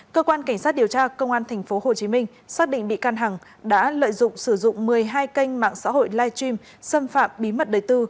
cơ quan cảnh sát điều tra công an tp hcm xác định bị can hằng đã lợi dụng sử dụng một mươi hai kênh mạng xã hội live stream xâm phạm bí mật đời tư